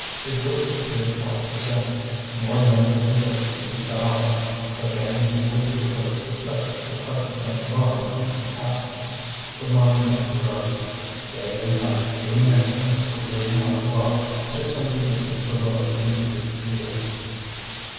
It was the three o'clock descent, more men for the pit to devour, the gangs who would replace the sets of the pikemen at the bottom of the passages. The mine never rested; day and night human insects were digging out the rock six hundred metres below the beetroot fields.